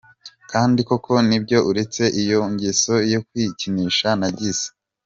Kandi koko nibyo uretse iyo ngeso yo kwikinisha nagize.